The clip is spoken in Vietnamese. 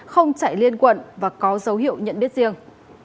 không chạy liên quận và có dấu hiệu nhận biết riêng